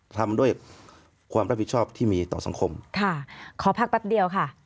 ทำด้วยความรับผิดชอบที่มีต่อสังคมค่ะขอพักแป๊บเดียวค่ะ